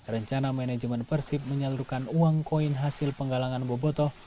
rencana manajemen persib menyalurkan uang koin hasil penggalangan bobotoh